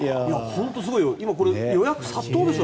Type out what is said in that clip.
本当すごいよ、予約殺到でしょ。